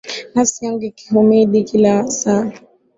Nafsi yangu ikuhimidi kila saa .